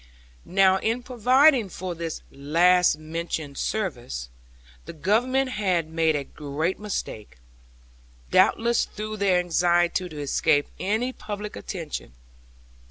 Now in providing for this last mentioned service, the Government had made a great mistake, doubtless through their anxiety to escape any public attention.